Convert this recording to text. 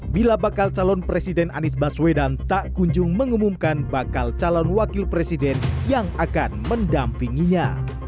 bila bakal calon presiden anies baswedan tak kunjung mengumumkan bakal calon wakil presiden yang akan mendampinginya